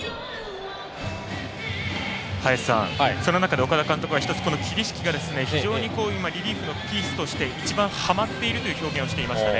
その中で、岡田監督は桐敷が非常にリリーフのピースとして一番一番はまっているという表現をしていましたね。